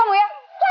ilmu nurut bumi